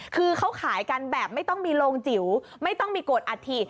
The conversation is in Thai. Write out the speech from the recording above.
คือเขาขายกันแบบไม่ต้องมีโรงจิ๋วไม่ต้องมีโกรธอัฐิ